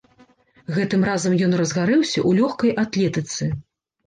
Гэтым разам ён разгарэўся ў лёгкай атлетыцы.